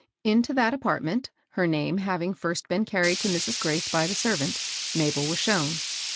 Into this apartment, her name having first been carried to Mrs. Graith by the servant, Mabel was shown.